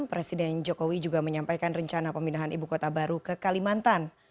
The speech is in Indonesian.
presiden jokowi juga menyampaikan rencana pemindahan ibu kota baru ke kalimantan